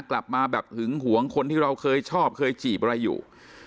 กลับมาแบบหึงหวงคนที่เราเคยชอบเคยจีบอะไรอยู่